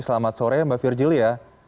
selamat sore mbak virjilia